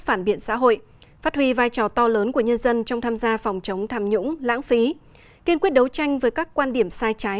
phản biện xã hội phát huy vai trò to lớn của nhân dân trong tham gia phòng chống tham nhũng lãng phí kiên quyết đấu tranh với các quan điểm sai trái